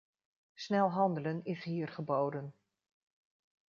Snel handelen is hier geboden.